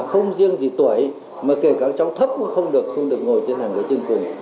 không riêng gì tuổi mà kể cả các cháu thấp cũng không được không được ngồi trên hàng ghế trên cùng